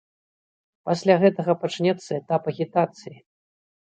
Пасля гэтага пачнецца этап агітацыі.